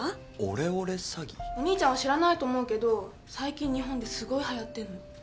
お兄ちゃんは知らないと思うけど最近日本ですごいはやってんの。